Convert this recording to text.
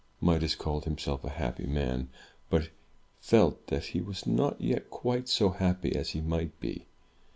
Midas called himself a happy man, but felt that he was not yet quite so happy as he might be.